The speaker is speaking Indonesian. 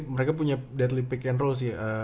mereka punya deadly pick and roll sih